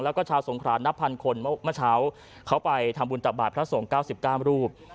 แล้วก็ชาวสงครานนับพันคนเมื่อเช้าเขาไปทำบุญตักบาทพระสงฆ์๙๙รูป